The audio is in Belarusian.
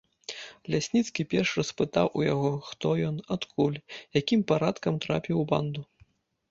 Лясніцкі перш распытаў у яго, хто ён, адкуль, якім парадкам трапіў у банду.